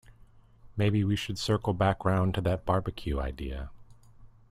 Maybe we should circle back round to that barbecue idea?